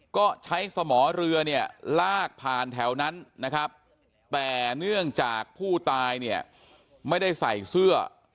ก็ใช้สมอเรือเนี่ยลากผ่านแถวนั้นนะครับแต่เนื่องจากผู้ตายเนี่ยไม่ได้ใส่เสื้อ